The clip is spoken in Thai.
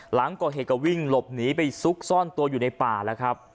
หลังก่อเหตุก็วิ่งหลบหนีไปซุกซ่อนตัวอยู่ในป่าแล้วครับ